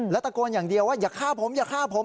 แล้วตะโกนอย่างเดียวว่าอย่าฆ่าผมอย่าฆ่าผม